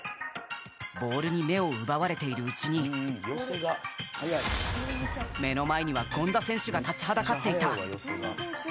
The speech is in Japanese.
ボールに目を奪われているうちに目の前には権田選手が立ちはだかっていた。